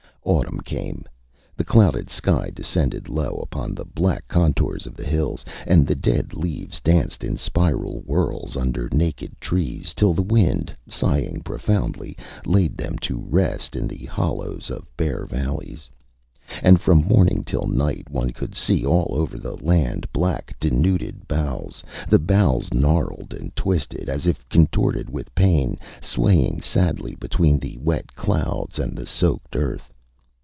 Autumn came. The clouded sky descended low upon the black contours of the hills; and the dead leaves danced in spiral whirls under naked trees, till the wind, sighing profoundly, laid them to rest in the hollows of bare valleys. And from morning till night one could see all over the land black denuded boughs, the boughs gnarled and twisted, as if contorted with pain, swaying sadly between the wet clouds and the soaked earth.